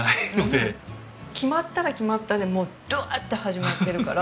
決まったら決まったでもうどわーって始まってるから。